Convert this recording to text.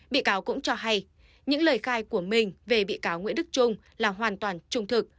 bị cáo cũng cho hay những lời khai của mình về bị cáo nguyễn đức trung là hoàn toàn trung thực